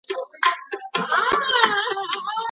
که فکر وکړو.